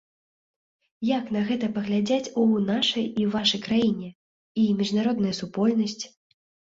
Як на гэта паглядзяць у нашай і вашай краіне, і міжнародная супольнасць?